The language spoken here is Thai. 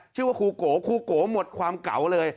ชื่อว่าครูโกครูโกหมดความเก่าเลย